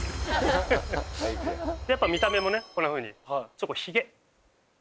やっぱ見た目もねこんなふうにちょっとヒゲ。